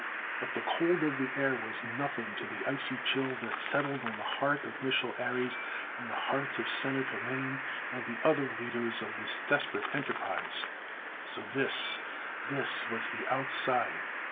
But the cold of the air was nothing to the icy chill that settled on the heart of Mich'l Ares, and the hearts of Senator Mane, and the other leaders of this desperate enterprise. So this, this was the Outside!